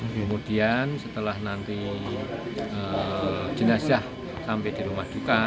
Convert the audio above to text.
kemudian setelah nanti jenazah sampai di rumah duka